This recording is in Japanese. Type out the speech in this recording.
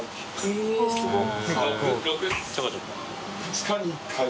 えっすごい。